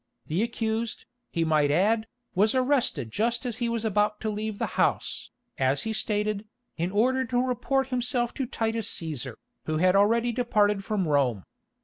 The accused, he might add, was arrested just as he was about to leave the house, as he stated, in order to report himself to Titus Cæsar, who had already departed from Rome.